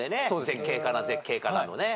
「絶景かな絶景かな」のね。